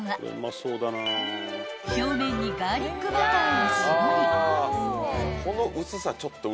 ［表面にガーリックバターを絞り］